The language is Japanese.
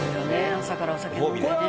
朝からお酒飲んでね」